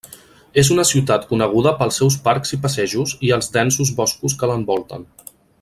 És una ciutat coneguda pels seus parcs i passejos i els densos boscos que l'envolten.